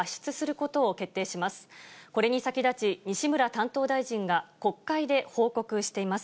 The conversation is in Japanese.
これに先立ち、西村担当大臣が国会で報告しています。